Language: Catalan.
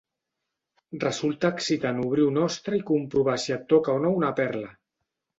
Resulta excitant obrir una ostra i comprovar si et toca o no una perla.